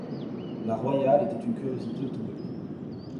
La Royal était une curiosité automobile.